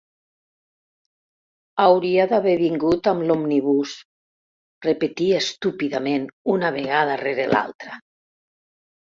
"Hauria d'haver vingut amb l'òmnibus", repetia estúpidament una vegada rere l'altra.